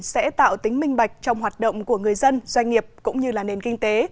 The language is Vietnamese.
sẽ tạo tính minh bạch trong hoạt động của người dân doanh nghiệp cũng như là nền kinh tế